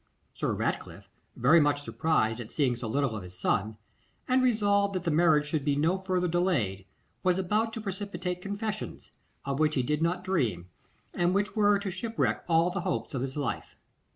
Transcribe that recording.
Sir Ratcliffe, very much surprised at seeing so little of his son, and resolved that the marriage should be no further delayed, was about to precipitate confessions, of which he did not dream, and which were to shipwreck all the hopes of his life.